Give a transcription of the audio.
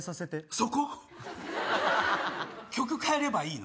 そこ⁉曲替えればいいの？